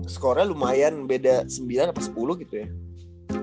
skornya lumayan beda sembilan atau sepuluh gitu ya